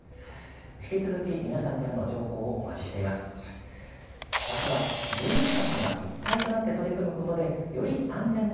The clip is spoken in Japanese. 引き続き皆さんからの情報、お待ちしております。